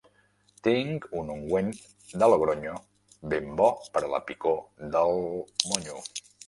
Tinc un ungüent de Logronyo, ben bo per a la picor del... monyo.